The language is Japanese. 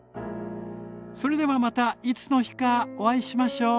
それではまたいつの日かお会いしましょう。